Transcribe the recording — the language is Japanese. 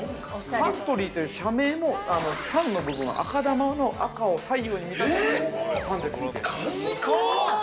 サントリーという社名も、サンの部分は、赤玉の赤を太陽に見たてて、サンってついてるんです。